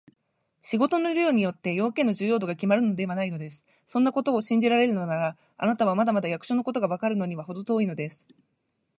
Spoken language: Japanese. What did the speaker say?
仕事の量によって、用件の重要度がきまるのではないのです。そんなことを信じられるなら、あなたはまだまだ役所のことがわかるのにはほど遠いのです。